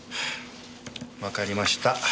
わかりました。